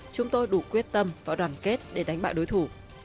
chúng tôi đủ quyết tâm và đoàn kết để đánh bại đối thủ